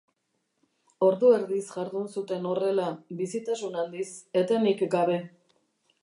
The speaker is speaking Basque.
Ordu erdiz jardun zuten horrela, bizitasun handiz, etenik gabe.